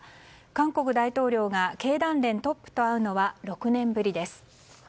韓国大統領が経団連トップと会うのは６年ぶりです。